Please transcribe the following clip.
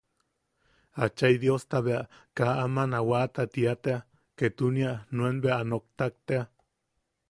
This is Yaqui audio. Achai Diosta bea kaa aman a wata tia tea, ketunia nuen bea a noktak tea.